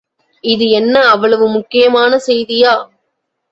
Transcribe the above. இது என்ன அவ்வளவு முக்கியமான செய்தியா?